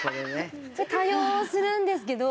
多用するんですけど。